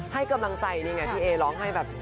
ให้กำลังใจนี่ไงพี่เอร้องให้แบบ